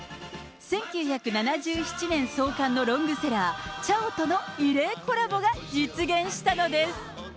１９７７年創刊のロングセラー、ちゃおとの異例コラボが実現したのです。